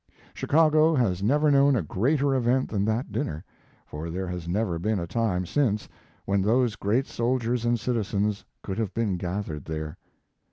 Chicago has never known a greater event than that dinner, for there has never been a time since when those great soldiers and citizens could have been gathered there.